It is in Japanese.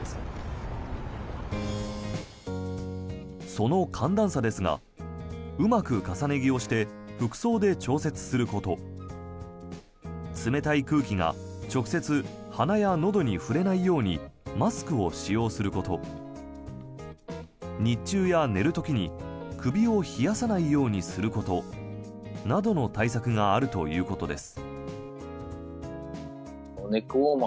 その寒暖差ですがうまく重ね着をして服装で調節すること冷たい空気が直接鼻やのどに触れないようにマスクを使用すること日中や寝る時に首を冷やさないようにすることなどの対策があるということです。